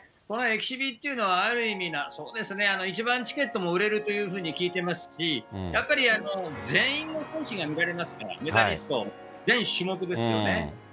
このエキシビっていうのは、ある意味、そうですね、一番チケットも売れるというふうに聞いてますし、やっぱり全員の選手が見られますから、メダリスト全種目ですよね。